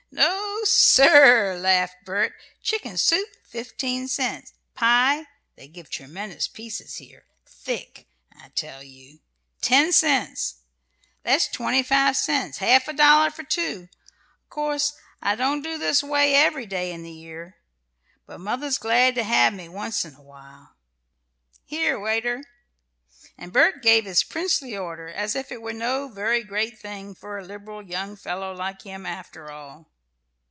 No, sir!" laughed Bert. "Chicken soup, fifteen cents; pie they give tremendous pieces here; thick, I tell you ten cents. That's twenty five cents; half a dollar for two. Of course, I don't do this way every day in the year. But mother's glad to have me, once in a while. Here, waiter!" And Bert gave his princely order as if it were no very great thing for a liberal young fellow like him, after all.